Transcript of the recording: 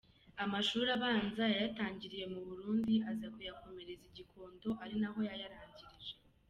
Amashuri abanza yayatangiriye mu Burundi aza kuyakomereza i Gikondo ari na ho yayarangirije.